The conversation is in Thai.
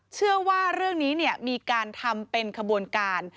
เชื่อว่าเรื่องนี้มีการทำเป็นขบวนการ